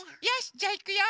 じゃあいくよ。